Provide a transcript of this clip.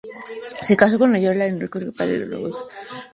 Se casó con Olaya Errázuriz y fue padre de nueve hijos.